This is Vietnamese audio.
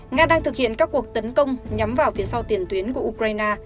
nga đang thực hiện các cuộc tấn công nhắm vào phía sau tiền tuyến của ukraine